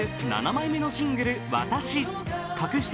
７枚目のシングル「わたし」。